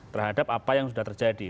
terhadap apa yang sudah terjadi